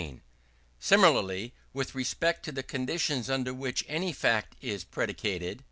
Similarly with respect to the conditions under which any fact is predicated.